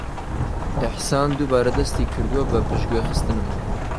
ئیحسان دووبارە دەستی کردووە بە پشتگوێخستنم.